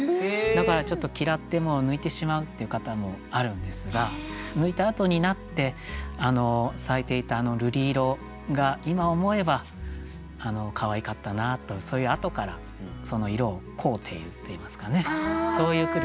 だからちょっと嫌ってもう抜いてしまうっていう方もあるんですが抜いたあとになって咲いていたあの瑠璃色が今思えばかわいかったなとそういうあとからその色を恋ふているといいますかねそういう句ですね。